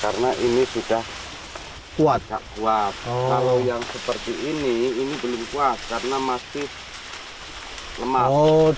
karena ini sudah kuat kalau yang seperti ini ini belum kuat karena masih lemah